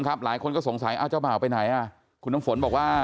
ครับหลายคนก็สงสัยอ้าวเจ้าบ่าวไปไหนอ่ะคุณน้ำฝนบอกว่า